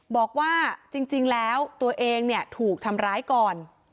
บอกว่าจริงแล้วตัวเองเนี่ยถูกทำร้ายก่อน